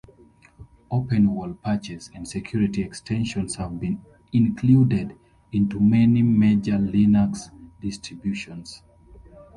Openwall patches and security extensions have been included into many major Linux distributions.